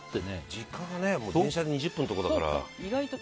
実家が電車で２０分のところだから。